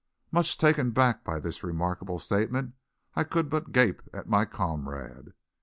Much taken back by this remarkable statement I could but gape at my comrade.